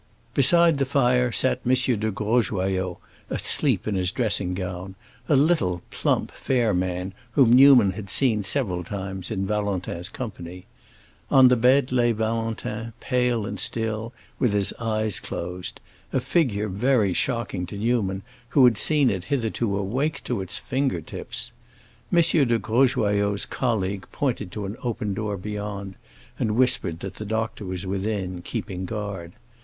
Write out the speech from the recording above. Beside the fire sat M. de Grosjoyaux asleep in his dressing gown—a little plump, fair man whom Newman had seen several times in Valentin's company. On the bed lay Valentin, pale and still, with his eyes closed—a figure very shocking to Newman, who had seen it hitherto awake to its fingertips. M. de Grosjoyaux's colleague pointed to an open door beyond, and whispered that the doctor was within, keeping guard.